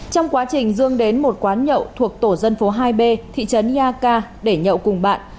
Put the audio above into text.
trong quá trình dương đến một quán nhậu thuộc tổ dân phố hai b thị trấn yaka để nhậu cùng bạn